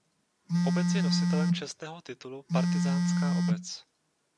Obec je nositelem čestného titulu "Partyzánská obec".